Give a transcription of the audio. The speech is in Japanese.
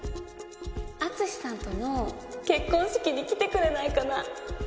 淳史さんとの結婚式に来てくれないかな？